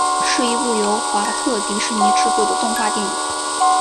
是一部由华特迪士尼制作的动画电影。